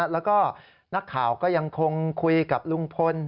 แล้วก็นักข่าวก็ยังคงคุยกับลุงพล